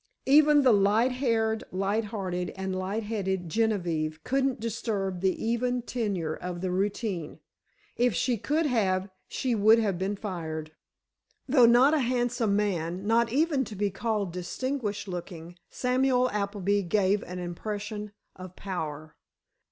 Even the light haired, light hearted and light headed Genevieve couldn't disturb the even tenor of the routine. If she could have, she would have been fired. Though not a handsome man, not even to be called distinguished looking, Samuel Appleby gave an impression of power.